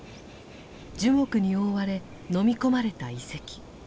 樹木に覆われ飲み込まれた遺跡。